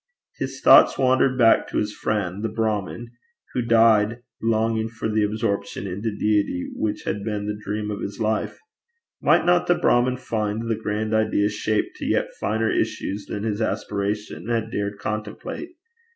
His thoughts wandered back to his friend the Brahmin, who died longing for that absorption into deity which had been the dream of his life: might not the Brahmin find the grand idea shaped to yet finer issues than his aspiration had dared contemplate?